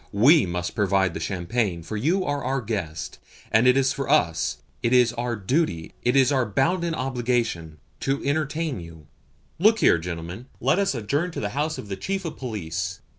WE must provide the champagne, for you are our guest, and it is for us it is our duty, it is our bounden obligation to entertain you. Look here, gentlemen. Let us adjourn to the house of the Chief of Police.